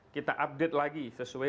kita update lagi sesuai